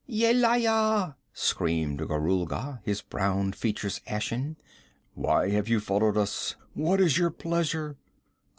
'Yelaya!' screamed Gorulga, his brown features ashen. 'Why have you followed us? What is your pleasure?'